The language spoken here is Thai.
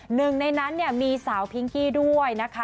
หนึ่งในนั้นมีสาวพิ้งกี้ด้วย